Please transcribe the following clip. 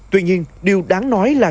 tuy nhiên điều đáng nói là